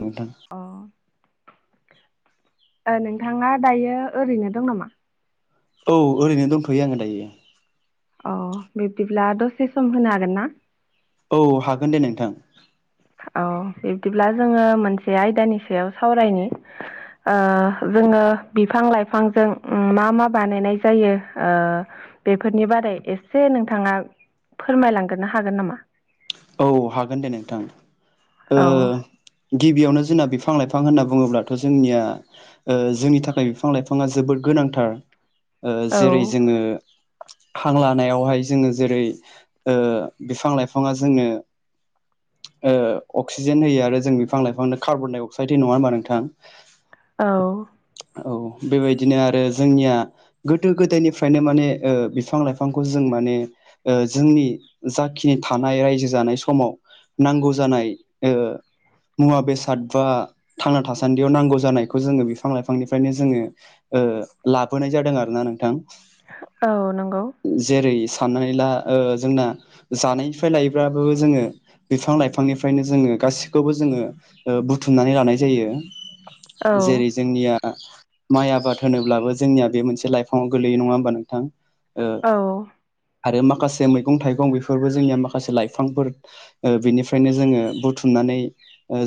नोंथां। अ नोंथाङा दायो ओरैनो दं नामा? औ ओरैनो दंथ'यो आङो दायो। अ बिब्दिब्ला दसे सम होनो हागोन ना। औ हागोन दे नोंथां। औ बिब्दिब्ला जोङो मोनसे आयदानि सायाव सावरायनि जोङो बिफां लाइफांजों मा मा बानायनाय जायो। बेफोरनि बारै एसे नोंथाङा फोरमायलांग्रोनो हागोन नामा? औ हागोन दे नोंथां औ गिबियावनो जोंना बिफां लाइफां होनना बुङोब्लाथ जोंनिया जोंनि थाखाय बिफां लाइफाङा जोबोद गोनांथार औ जेरै जोङो हां लानायावहाय जोङो जेरै बिफां लाइफाङा जोनो अक्सिजेन होयो आरो जों बिफां लाइफांनो कार्बन डाइ अक्साइड हो नङा होनोमबा नोंथां? [inaudible] औ। औ बेबायदिनो आरो जोंनिया गोदो गोदायनिफ्रायनो माने बिफां लाइफांखौ जों माने जोंनि जाखिनि था नाय रायजो जानाय समाव नांगौ जानाय ओ मुवा बेसाद बा थांना थासान्दियाव नांगौ जानायखौ जोङो बिफां लाइफांनिफ्रायनो जोङो लाबोनाय जादों आरो ना नोंथां। औ नंगौ। जेरै साननानै ला जोंना जानायनिफ्राय लायोब्लाबो जोङो बिफां लाइफांनिफ्रायनो जोङो गासिखौबो जोङो बुथुमनानै लानाय जायो। औ जेरै जोंनिया माइ आबाद होनोब्लाबो जोंनिया बे मोनसे लाइफाङाव गोलैययो नङा होमबा नोंथां। ओ औ आरो माखासे मैगं थाइगं बेफोरबो जोंनिया माखासे लाइफांफोर बिनिफ्रायनो जोङो बुथुमनानै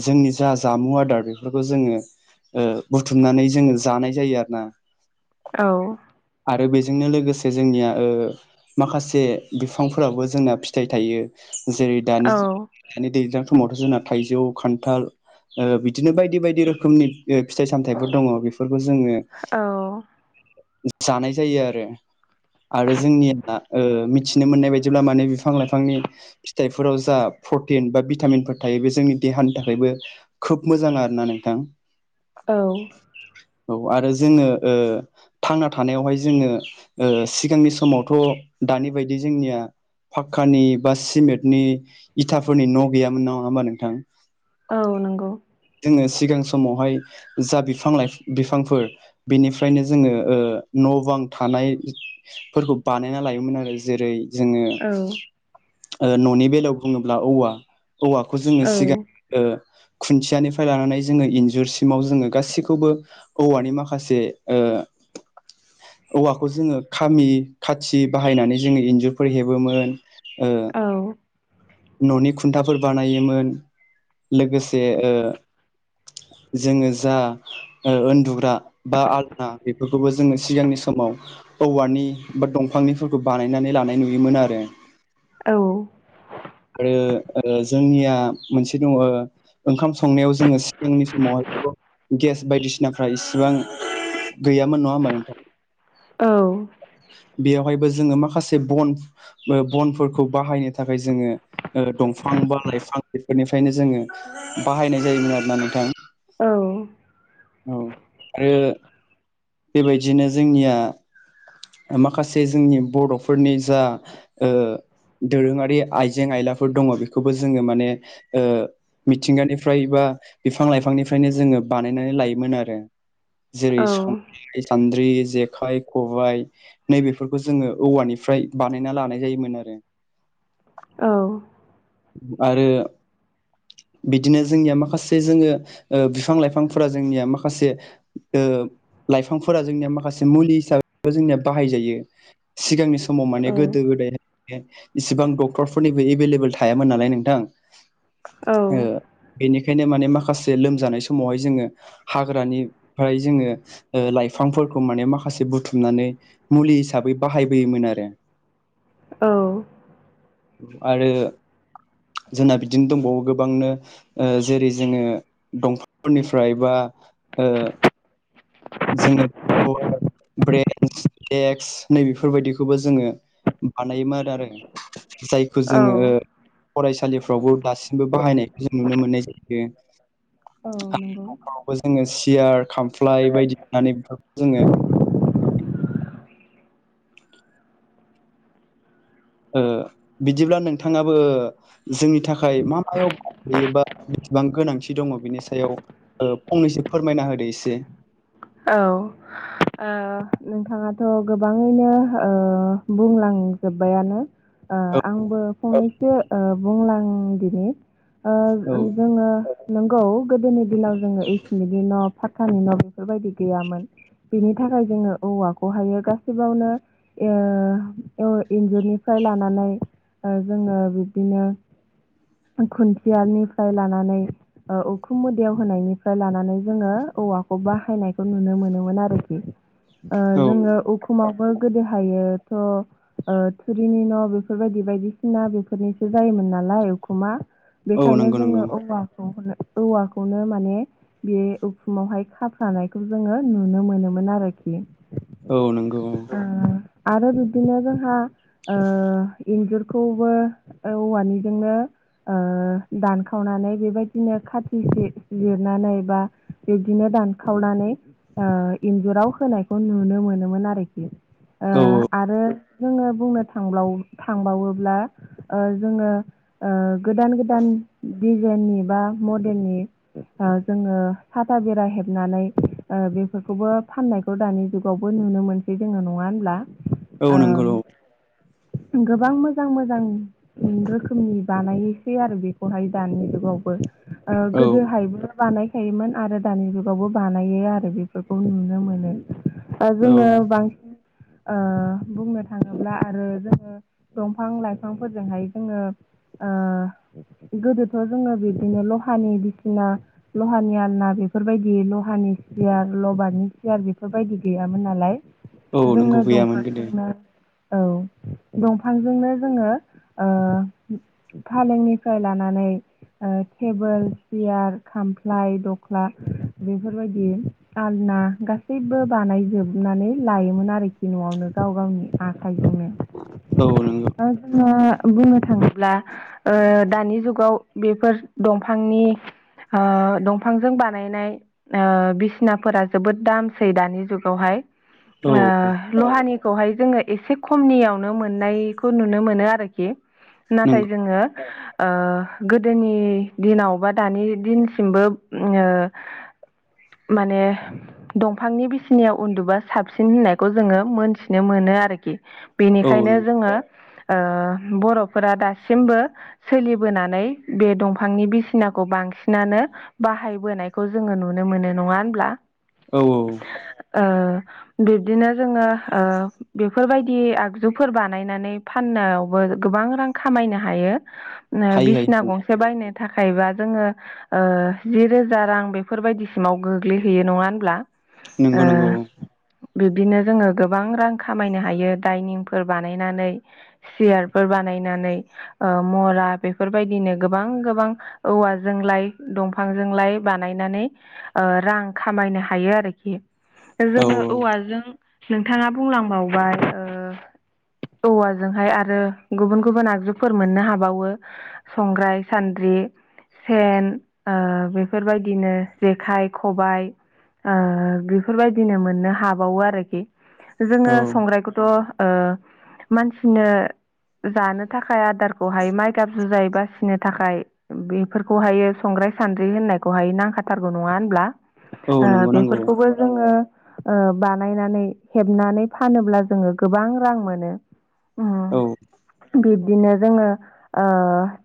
जोंनि जा जामु आदार बेफोरखौ जोङो ओ बुथुमनानै जोङो जानाय जायो आरो ना। औ। आरो बेजोंनो लोगोसे जोंनिया माखासे बिफांफोरावबो जोंना फिथाइ थायो जेरै औ दनि दानि दैज्लां समावथ जोंना थाइजौ खान्थाल ओ बिदिनो बायदि बायदि रोखोमनि फिथाइ सामथाइफोर दङ। बेफोरखौ जोङो औ जानाय जायो आरो आरो जोंनिया मिथिनो मोननाय बायदिब्ला माने बिफां लाइ फांनि फिथाइफोराव जा प्रटिन बा भिटामिनफोर थायो बे जोंनि देहानि थाखायबो खोब मोजां आर ना नोंथां। औ। औ आरो जोङो ओ। थांना थानायावहाय जोङो सिगांनि समावथ' दानि बायदि जोंनिया फाकानि बा सिमेन्टनि इथाफोरनि न' गैयामोन नङा होमबा नोंथां? औ नंगौ जोङो सिगां समावहाय जा बिफां लाइ बिफांफोर बेनिफ्रायनो जोङो न' बां थानाय फोरखौ बानायना लायोमोन आरो जेरै जोङो औ न'नि बेलायाव बुङोब्ला औवा औवाखौ जोङो औ सिगां खुन्थियानिफ्राय लानानै जोङो इन्जुरसिमाव जोङो गासैखौबो औवानि माखासे औवाखौ जोङो खामि खाथि बाहायनानै जोङो इन्जुरफोर हेबोमोन ओ औ न'नि खुन्थाफोर बानायोमोन लोगोसे जोङो जा उन्दुग्रा बा आलना बेफोरखौबो जोङो सिगांनि समाव औवानि बा दंफांनिफोरखौ बानायनानै लानाय नुयोमोन आरो औ आरो जोंनिया मोनसे दङ ओंखाम संनायाव जोङो सिगांनि समावहाय गेस बायदिसिनाफ्रा इसिबां गैयामोन नङा होमबा नोंथां औ बेयावहायबो जोङो माखासे बन बनफोरखौ बाहायनो थाखाय जोङो दंफां बा लाइफां बेफोरनिफ्रायनो जोङो बाहायनाय जायोमोन आरो ना नोंथां औ औ आरो बेबायदिनो जोंनिया माखासे जोंनि बर'फोरनि जा ओ दोरोङारि आइजें आयलाफोर दङ बेखौबो जोङो माने ओ मिथिंगानिफ्राय बा बिफां लाइफांनिफ्रायनो जोङो बानायनानै लायोमोन आरो जेरै संग्राय सान्द्रि जेखाइ खबाय नैबेफोरखौ जोङो औवानिफ्राय बानायना लानाय जायोमोन आरो औ आरो बिदिनो जोंनिया माखासे जोङो बिफां लाइफांफोरा जोंनिया माखासे लाइफांफोरा जोंनिया माखासे मुलि हिसाबैबो जोंनिया बाहायजायो सिगांनि समाव औ माने गोदो गोदाय इसिबां डक्टरफोरनिबो एभेलेबेल थाया थायामोन नालाय नोंथां बेनि बेखायनो माने माखासे लोमजानाय समावहाय जोङो हाग्रानिफ्राय जोङो लाइफांफोरखौ माने माखासे बुथुमनानै मुलि हिसाबै बाहायबोयोमोन आरो औ आरो जोंना बिदिनो दंबावो गोबांनो जेरै जोङो दंफांफोरनिफ्राय बा ओ जोङो ब्रेन्स देक्स नै बेफोरबायदिखौबो जोङो बानायोमोन आरो जायखौ जोङो औ फरायसालिफ्रावबो दासिमबो बाहायनायखौ जों नुनो मोननाय जायो औ नंगौ आरो नखरावबो जोङो सियार खामफ्लाय बायदि होननानै बेफोरखौ जोङो बिदिब्ला नोंथाङाबो जोंनि थाखाय मा मायाव थायोबा बिसेबां गोनांथि दङ बिनि सायाव फंनैसो फोरमायना होदो एसे औ नोंथाङाथ' गोबाङैनो बुंलांजोब्बायानो औ आंबो फंनैसो बुंलां दिनै औ जोङो नंगौ गोदोनि दिनाव जोङो इसमितनि न' फाखानि न' बेफोरबायदि गैयामोन बेनि थाखाय जोङो औवाखौहायो गासैबावनो ओ इन्जुरनिफ्राय लानानै जोङो बिब्दिनो खुन्थियानिफ्राय लानानै उखुम मुदयाव होनायनिफ्राय लानानै जोङो औवाखौ बा बाहायनायखौ नुनो मोनोमोन आरोखि औ जोङो उखुमाव बो गोदो हायो थ' थुरिनि न' बेफोरबायदि बायदिसिना बेफोरनिसो जायोमोन नालाय उखुमा औ बेखायनो नंगौ जोङो नंगौ औवाखौ औवाखौनो माने बे उखुमावहाय खा फ्रानायखौ जोङो नुनो मोनोमोन आरोखि औ नोंगौ ओ आरो बिब्दिनो जोंहा ओ इन्जुरखौबो औवानिजोंनो ओ दानखावनानै बेबायदिनो खाथि जि जिरनानै बा बिदिनो दानखावनानै ओ इन्जुराव होनायखौ नुनो मोनोमोन आरोखि ओ औ आरो जोङो बुंनो थांब्लाव थांबावोब्ला ओ जोङो ओ गोदान गोदान दिजेननि बा मडेलनि जोङो साथा बेरा हेब नानै ओ बेफोरखौबो फाननायखौ दानि जुगावबो नुनो मोनसै जोङो नङा होनब्ला औ नंगौ ओम औ गोबां मोजां मोजां रोखोमनि बानायोसै आरो बेखौहाय दानि जुगावबो ओ औ गोदोहायबो बानायखायोमोन आरो दानि जु बो बानायो आरो बेफोरखौ नुनो मोनो ओ औ जोङो बांसिन बुंनो थाङोब्ला आरो जोङो दंफां लाइफांफोरजोंहाय जोङो गोदोथ' जोङो बिबदिनो लहानि बिसिना लहानि आलना बेफोरबायदि लहानि सियार लबारनि सियार बेफोरबायदि गैयामोन नालाय औ नंगौ जोंनो दंफां गैयामोन गोदो जोंनो औ दंफांजोंनो जोङो ओ फालेंनिफ्राय लानानै ओ टेबोल, सियार, खामफ्लाय, दख्ला बेफोरबायदि आलना गासैबो बानायजोबनानै लायोमोन आरोखि न'आवनो गाव गावनि आ खाइजोंनो औ नोंगौ जों जोङो बुंनो थाङोब्ला ओ दानि जुगाव बिफोर दंफांनि ओ दंफांजों बानायनाय ओ बिसनाफोरा जोबोद दामसै दानि जुगावहाय औ ओ ल'हानिखौहाय जोङो एसे खमनियावनो मोननायखौ नुनो मोनो आरोखि नाथाय नंगौ जोङो ओ गोदोनि दिनाव बा दानि दिनसिमबो ओम ओ माने दंफांनि बिसिनायाव उन्दुबा साबसिन होननायखौ जोङो मोनथिनो मोनो आरोखि औ बेनिखायनो नंगौ जोङो ओ बर'फोरा दासिमबो सोलिबोनानै बे दंफांनि बिसिनाखौ बांसिनानो बाहायबोनायखौ जोङो नुनो मोनो नङा होनब्ला? औ औ ओ बिब्दिनो जोङो ओ बिफोरबायदि आगजुफोर बानायनानै फाननायावबो गोबां रां खामायनो हायो ओ हायो बिसिना हायो औ गंसे बायनो थाखायबा जोङो ओ जि रोजा रां बे फोरबायदिसिमाव गोग्लैहैयो नङा होनब्ला ओ नंगौ नंगौ बिब्दिनो जोङो गोबां रां खामायनो हायो डाइनिंफोर बानायनानै सियारफोर बानायनानै ओ मरा बेफोरबायदिनो गोबां गोबां औवाजोंलाय दंफांजोंलाय बानायनानै ओ रां खामायनो हायो आरोखि औ जोङो औवाजों नोंथाङा बुंलांबावबाय ओ औवाजोंहाय आरो गुबुन गुबुन आगजुफोर मोननो हाबावो संग्राय सान्द्रि सेन ओ बेफोरबायदिनो जेखाइ खबाइ ओ बेफोरबायदिनो मोननो हाबावो आरोखि जोङो औ संग्रायखौथ' ओ मानसिनो जानो थाखाय आदारखौहाय माइगाब जुजाइ बासिनो थाखाय बेफोरखौहायो संग्राय सान्द्रि होननायखौहाय नांखा नांखाथारगौ नङा होनब्ला औ नंगौ नांगौ बेफोरखौबो जोङो ओ बानायनानै हेबनानै फानोब्ला जोङो गोबां रां मोनो औ उम बिब्दिनो जोङो ओ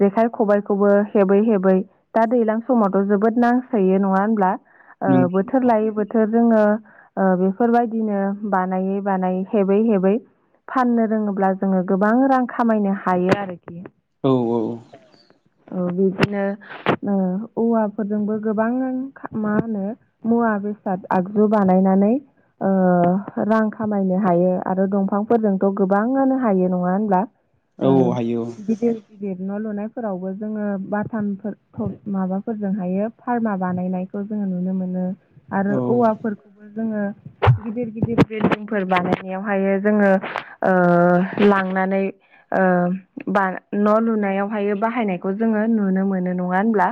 जेखाइ खबायखौबो हेबै हेबै दा दैलां समावथ' जोबोद ना सैयो नङा होनब्ला ओ नों बोथोर लायो बोथोर बोथोर जोङो बेफोरबायदिनो बानायै बानायै हेबै हेबै फाननो रोङोब्ला जोङो गोबां रां खामायनो हायो आरो औ औ बिदिनो ओ औवाफोरजोंबो गोबां मा होनो मुवा बेसाद आगजु बानायनानै ओ रां खामायनो हायो आरो दंफांफोरजोंथ' गोबाङानो हायो नङा होनब्ला औ अ हायो गिदिर गिदिर न' लुनायफोरावबो जोङो बाथामफोरखौ माबाफोरजों हायो फारमा बानायनायखौ जोङो नुनो मोनो आरो औ औवाफोरखौबो जोङो गिदिर गिदिर बिल्डिंफोर बानायनायावहायो जोङो ओ लांनानै ओ बा न' लुनायावहायो बाहायनायखौ जोङो नुनो मोनो नङा होनब्ला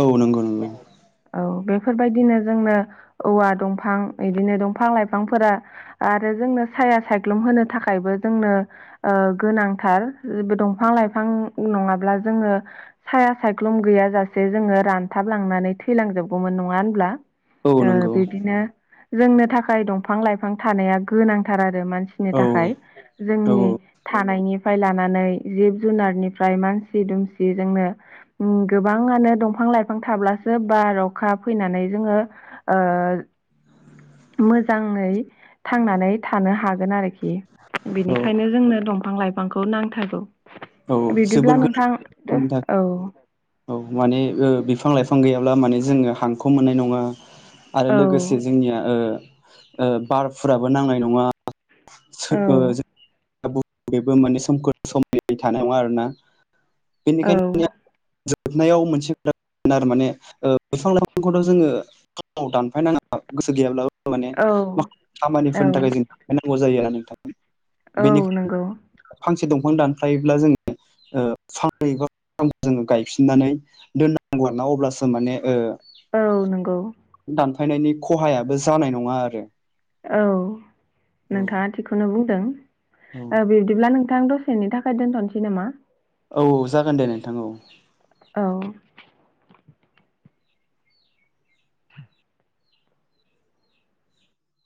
औ नोंगौ नों औ बेफोरबायदिनो जोंनो औवा दंफां इदिनो दंफां लाइफांफोरा आरो जोंनो साया सायख्लुम होनो थाखायबो जोंनो ओ गोनांथारबो दंफां लाइफां नङाब्ला जोङो साया सायख्लुम गैयाजासे जोङो रान थाबलांनानै थैलांजोबगौमोन नङा होनब्ला औ ओ नंगौ बिदिनो जोंनो थाखाय दंफां लाइफां थानाया गोनांथार आरो मानसिनि औ थाखाय औ जोंनि थानायनिफ्राय लानानै जिब जुनारनिफ्राय मानसि दुमसि जोंनो ओ गोबाङानो दंफां लाइफां बिफां थाब्लासो बार अखा फैनानै जोङो ओ मोजाङै थांनानै थानो हागोन आरोखि औ बिनिखायनो जोंनो दंफां लाइफांखौ नांथारगौ बिदिब्ला जोबोद नोंथां गोनांनि थाखाय [unintelligible] औ औ माने ओ बिफां लाइफां गैयाब्ला माने जोङो हांखौ मोननाय नङा आरो औ लोगोसे जोंनिया ओ ओ बारफुराबो नांनाय नङा औ [unintelligible] माने सोमखोर समायनायै थानाय नङा आरो ना औ बेनिखायनो [unintelligible] जोबनायाव मोनसे आरो माने बिफां लाइफांखौथ' जोङो गाव दानफायनाङा गोसो गैयाब्ला माने औ माखासे औ खामानिफोरनि थाखाय जों दानफायनांगौ जायो आरो नोंथां औ नंगौ बेनिखायनो फांसे दंफां दानफायोब्ला जोङो फांनै एबा फांथाम जोङो गायफिननानै दोननांगौ आरो ना अब्लासो माने औ नंगौ दानफायनायनि खहायाबो जानाय नङा आरो औ नोंथाङा थिगखौनो बुंदों औ बिब्दिब्ला नों नोंथां दसेनि थाखाय दोनथ'नोसै नामा औ जागोन दे नोंथां औ औ